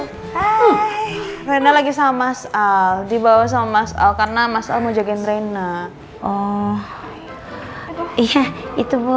menanya mana itu hai rina lagi sama asal dibawa sama soal karena masalah mojokin reina oh iya itu